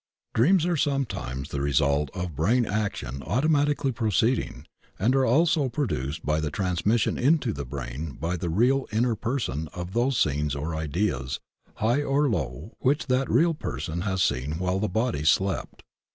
Dreams are sometimes the result of brain action automatically proceeding, and are also produced by the transmission into the brain by the real inner per son of those scenes or ideas high or low which that real person has seen while the body slept.